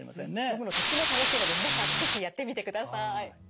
読むのとっても楽しいので皆さんも是非やってみてください。